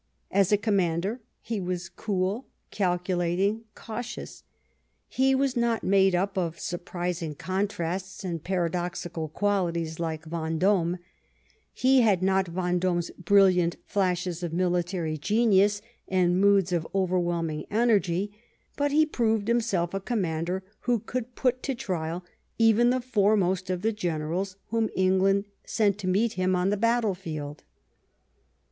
As a commander he was cool, calculating, cautious; he was not made up of surprising contrasts and paradoxical qualities like Vendome; he had not Vendome's brilliant flashes of military genius and moods of overwhelming energy, but he proved himself a commander who could put to trial even the foremost of the generals whom England sent to meet him on the battle field.